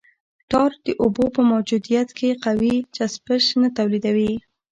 ټار د اوبو په موجودیت کې قوي چسپش نه تولیدوي